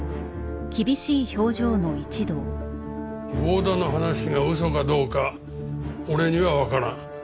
剛田の話が嘘かどうか俺にはわからん。